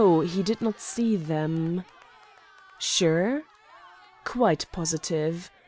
He did not see them." "Sure?" "Quite positive.